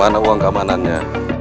mana uang keamanannya